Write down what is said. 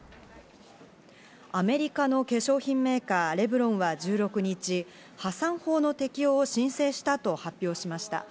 アメリカの化粧品メーカー、レブロンは１６日、破産法の適用を申請したと発表しました。